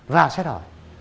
vào xét hỏi